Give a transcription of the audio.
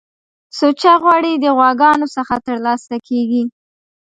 سوچه غوړی د غواګانو څخه ترلاسه کیږی